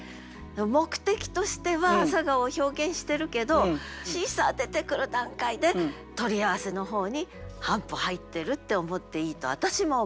目的としては「朝顔」を表現してるけど「シーサー」出てくる段階で取り合わせの方に半歩入ってるって思っていいと私も思う。